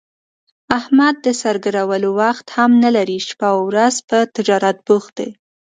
احمد د سر ګرولو وخت هم نه لري، شپه اورځ په تجارت بوخت دی.